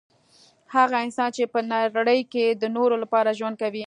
هغه انسان چي په نړۍ کي د نورو لپاره ژوند کوي